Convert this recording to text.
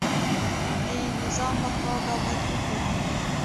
د نظام بقا دا بدلون غواړي.